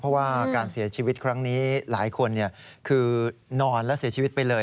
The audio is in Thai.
เพราะว่าการเสียชีวิตครั้งนี้หลายคนคือนอนและเสียชีวิตไปเลย